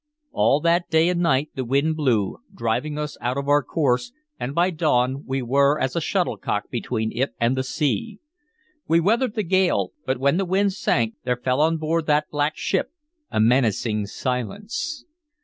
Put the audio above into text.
All that day and night the wind blew, driving us out of our course, and by dawn we were as a shuttlecock between it and the sea. We weathered the gale, but when the wind sank there fell on board that black ship a menacing silence.